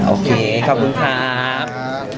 โอเคขอบคุณครับ